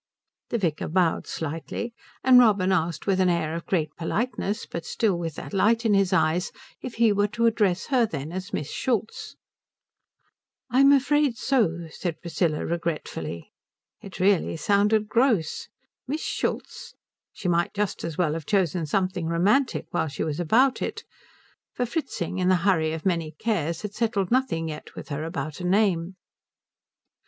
The vicar bowed slightly, and Robin asked with an air of great politeness but still with that light in his eyes if he were to address her, then, as Miss Schultz. "I'm afraid so," said Priscilla, regretfully. It really sounded gross. Miss Schultz? She might just as well have chosen something romantic while she was about it, for Fritzing in the hurry of many cares had settled nothing yet with her about a name.